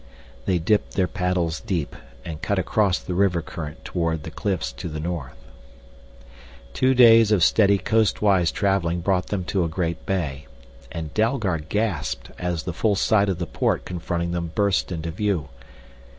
They dipped their paddles deep and cut across the river current toward the cliffs to the north. Two days of steady coastwise traveling brought them to a great bay. And Dalgard gasped as the full sight of the port confronting them burst into view.